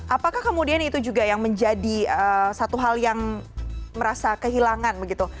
apakah kemudian itu juga yang menjadi satu hal yang merasa kehilangan begitu